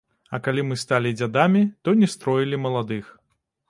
А калі мы сталі дзядамі, то не строілі маладых.